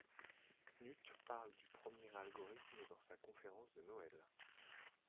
Knuth parle du premier algorithme dans sa conférence de Noël.